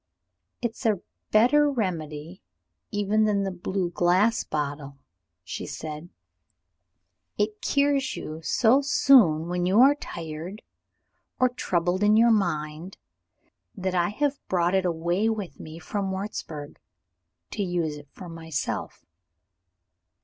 "It's a better remedy even than the blue glass bottle," she said; "it cures you so soon when you are tired, or troubled in your mind, that I have brought it away with me from Wurzburg, to use it for myself."